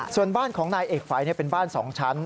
ส่วนบ้านของนายเอกฝัยเป็นบ้าน๒ชั้น